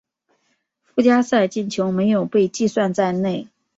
附加赛进球没有被计算在内。